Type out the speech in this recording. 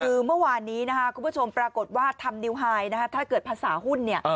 คือเมื่อวานนี้คุณผู้ชมปรากฏว่าธรรมนิวไฮถ้าเกิดภาษาหุ้น